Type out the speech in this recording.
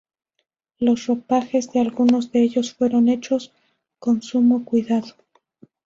Los ropajes de algunos de ellos fueron hechos con sumo cuidado.